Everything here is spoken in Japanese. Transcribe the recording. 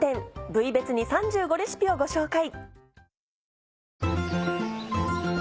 部位別に３５レシピをご紹介。